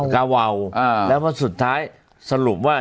กาวาวแล้วเพราะสุดท้ายสรุปว่า